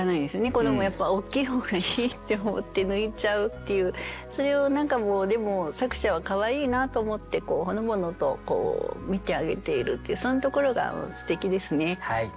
子どもはやっぱ大きい方がいいって思って抜いちゃうっていうそれを何かもうでも作者はかわいいなと思ってほのぼのと見てあげているっていうそんなところがすてきですね。